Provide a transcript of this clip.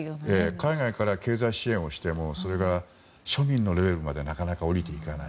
海外から経済支援をしてもそれが庶民のレベルまでなかなか下りていかない。